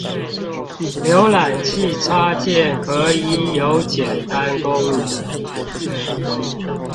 瀏覽器插件可以有簡單功能